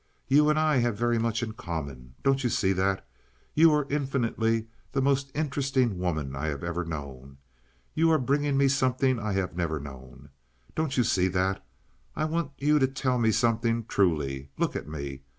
You and I have very much in common. Don't you see that? You are infinitely the most interesting woman I have ever known. You are bringing me something I have never known. Don't you see that? I want you to tell me something truly. Look at me.